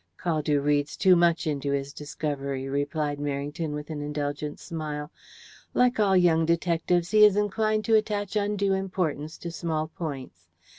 "Caldew reads too much into his discovery," replied Merrington, with an indulgent smile. "Like all young detectives, he is inclined to attach undue importance to small points.